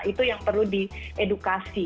itu yang perlu diedukasi